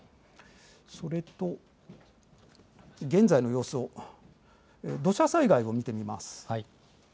それと、現在の様子を、土砂災害を見てみます。